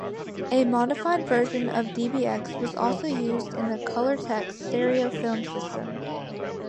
A modified version of dbx was also used in the Colortek stereo film system.